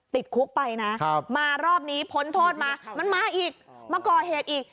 ติดคุกไปนะมารอบนี้พ้นโทษมามันมาอีกมาก่อเหตุอีก